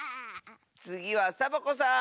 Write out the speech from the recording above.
つぎはサボ子さん！